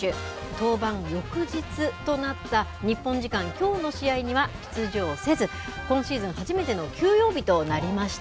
登板翌日となった日本時間きょうの試合には出場せず、今シーズン初めての休養日となりました。